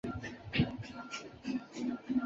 马韶因此官至太常博士。